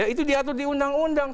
itu diatur di undang undang